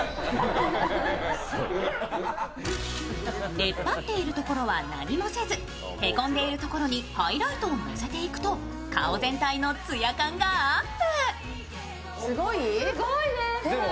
出っ張っているところは何もせず、へこんでいるところにハイライトを乗せていくと顔全体の艶感がアップ。